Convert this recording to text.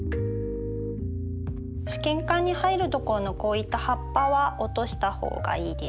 試験管に入るところのこういった葉っぱは落とした方がいいです。